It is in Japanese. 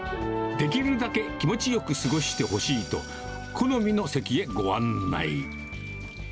できるだけ気持ちよく過ごしてほしいと、好みの席へご案内。